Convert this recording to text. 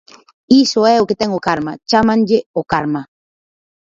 Iso é o que ten o karma, chámanlle o karma.